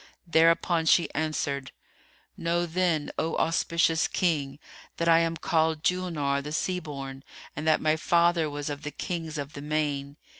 Thereupon she answered, "Know, then, O auspicious King, that I am called Julnár[FN#308] the Sea born and that my father was of the Kings of the Main.